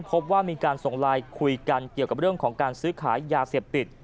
พบว่ามีการส่งไลน์คุยกันเกี่ยวกับเรื่องของการซื้อขายยาเสพติด